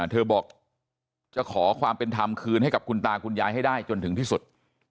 เธอบอกจะขอความเป็นธรรมคืนให้กับคุณตาคุณยายให้ได้จนถึงที่สุด